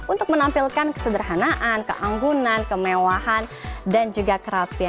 untuk menampilkan kesederhanaan keanggunan kemewahan dan juga kerapian